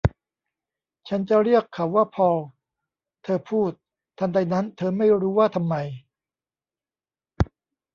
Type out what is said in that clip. ฉันจะเรียกเขาว่าพอล เธอพูดทันใดนั้น เธอไม่รู้ว่าทำไม